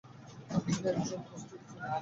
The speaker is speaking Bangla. তিনি একজন কুস্তিগীর ছিলেন।